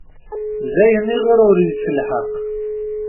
D ayen iɣer ur yettelḥaq.